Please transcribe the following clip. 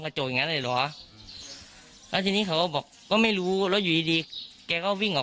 กล้องใจไหมแกโดนใครทำลายหรือเปล่า